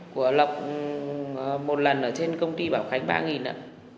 của lộc một lần ở trên công ty bảo khánh ba ạ